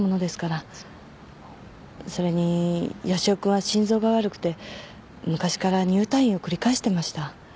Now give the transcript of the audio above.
それに義男君は心臓が悪くて昔から入退院を繰り返してました。